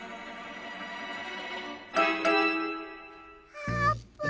あーぷん。